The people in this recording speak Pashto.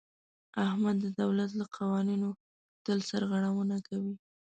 احمد د دولت له قوانینو تل سرغړونه کوي.